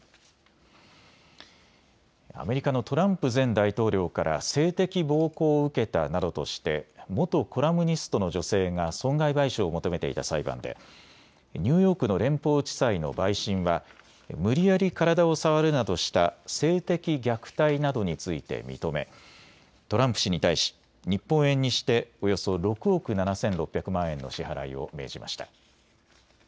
アメリカのトランプ前大統領から性的暴行を受けたなどとして元コラムニストの女性が損害賠償を求めていた裁判でニューヨークの連邦地裁の陪審は無理やり体を触るなどした性的虐待などについて認め、トランプ氏に対し日本円にしておよそ６億７６００万円の支払いを命じました。